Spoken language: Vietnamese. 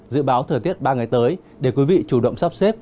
dự báo thời tiết ba ngày tới để quý vị chủ động sắp xếp